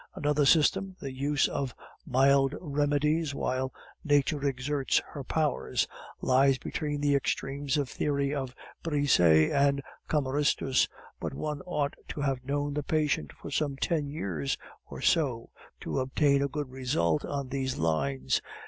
Another system the use of mild remedies while Nature exerts her powers lies between the extremes of theory of Brisset and Cameristus, but one ought to have known the patient for some ten years or so to obtain a good result on these lines.